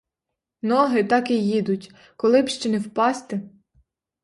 Ноги так і їдуть; коли б ще не впасти.